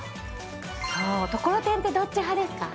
そうところてんってどっち派ですか？